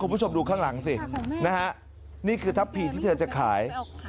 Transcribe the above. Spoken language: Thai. คุณผู้ชมดูข้างหลังสินะฮะนี่คือทัพพีที่เธอจะขาย